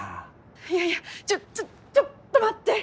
いやいやちょちょっと待って。